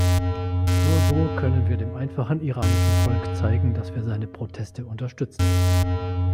Nur so können wir dem einfachen iranischen Volk zeigen, dass wir seine Proteste unterstützen.